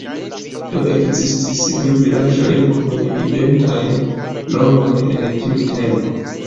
Do ekzistis du vilaĝoj kun identaj nomoj en tiu tempo.